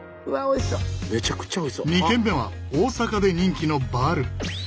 ２軒目は大阪で人気のバル。